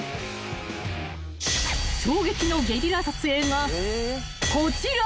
［衝撃のゲリラ撮影がこちら］